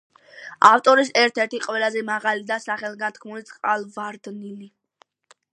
ავსტრიის ერთ-ერთი ყველაზე მაღალი და სახელგანთქმული წყალვარდნილი.